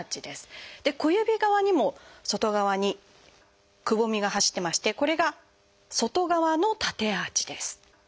で小指側にも外側にくぼみが走ってましてこれが「外側の縦アーチ」です。